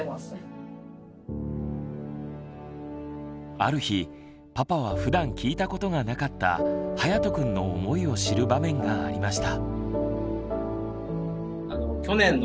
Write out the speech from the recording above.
ある日パパはふだん聞いたことがなかったはやとくんの思いを知る場面がありました。